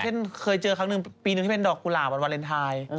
เช่นเคยเจอครั้งหนึ่งปีหนึ่งที่เป็นดอกกุหลาบวันวาเลนไทย